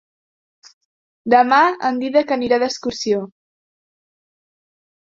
Demà en Dídac anirà d'excursió.